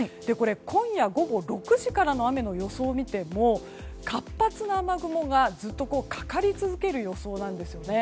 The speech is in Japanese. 今夜午後６時からの雨の予想を見ても活発な雨雲が、ずっとかかり続ける予想なんですよね。